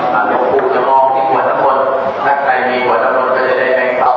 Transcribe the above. ถ้าทุกครูจะมองที่ขวดทั้งหมดถ้าใครมีขวดทั้งหมดก็จะได้ได้ครับ